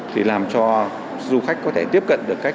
thì làm cho du khách có thể tiếp cận được cách